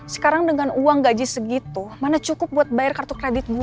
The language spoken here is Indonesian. sekarang dengan uang gaji segitu mana cukup buat bayar kartu kreditmu